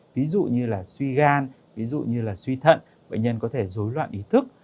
ví dụ như là suy gan ví dụ như là suy thận bệnh nhân có thể dối loạn ý thức